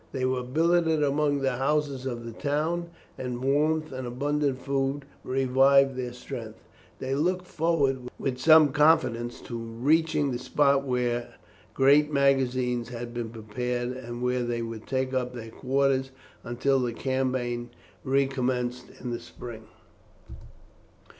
They were billeted among the houses of the town, and warmth and abundant food revived their strength. They looked forward with some confidence to reaching the spot where great magazines had been prepared, and where they would take up their quarters until the campaign recommenced in the spring.